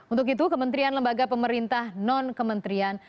untuk itu kementerian lembaga pemerintah non kementerian